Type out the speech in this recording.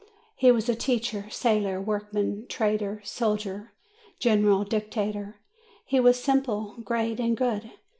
He was teacher, sailor, workman, trader, soldier, general, dictator. He was simple, reat, and good.